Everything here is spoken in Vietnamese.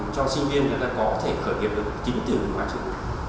cho sinh viên để ta có thể khởi nghiệp được chính tường hóa trường